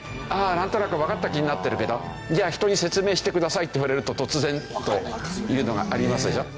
なんとなくわかった気になってるけどじゃあ人に説明してくださいって言われると突然というのがありますでしょ。